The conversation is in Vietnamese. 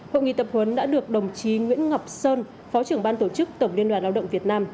hội nghị tập huấn đã được đồng chí nguyễn ngọc sơn phó trưởng ban tổ chức tổng liên đoàn lao động việt nam